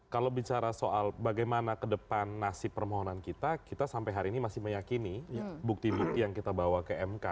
kalau bicara soal bagaimana ke depan nasib permohonan kita kita sampai hari ini masih meyakini bukti bukti yang kita bawa ke mk